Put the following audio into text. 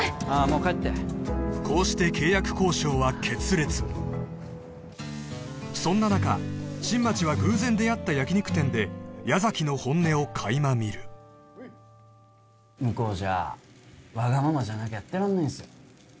もう帰ってこうして契約交渉は決裂そんな中新町は偶然出会った焼き肉店で矢崎の本音をかいま見る向こうじゃわがままじゃなきゃやってらんないんすよ